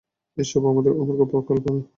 এসব আমার কল্পনা!